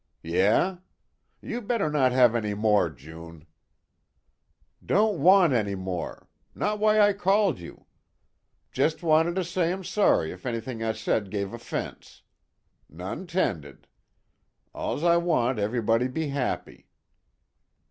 "Yeah? You better not have any more, June." "Don't want any more not why I called you. Just wanted say, 'm sorry 'f anything I said gave 'fense. None 'tended. All's I want's everybody be happy."